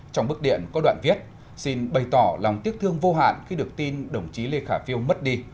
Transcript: trong bức điện có đoạn viết xin bày tỏ lòng tiếc thương vô hạn khi được tin đồng chí lê khả phiêu mất đi